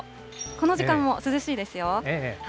この時間も涼しいですよ。